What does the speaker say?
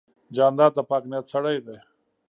جانداد د پاک نیت سړی دی.